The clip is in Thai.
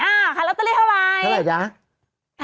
อ่าคำแบบรอเตอรี่เท่าไรแหมเท่าไรจ๊ะ